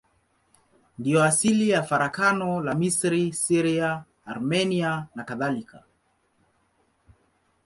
Ndiyo asili ya farakano la Misri, Syria, Armenia nakadhalika.